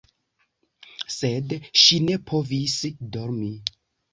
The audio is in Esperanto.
Sed ŝi ne povis dormi.